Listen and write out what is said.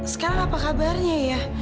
sekarang apa kabarnya ya